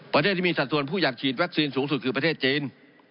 ประเทศที่มีสัดส่วนผู้อยากฉีดวัคซีนสูงสุดคือประเทศจีน